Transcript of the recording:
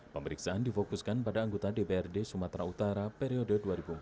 pemeriksaan difokuskan pada anggota dprd sumatera utara periode dua ribu empat belas dua ribu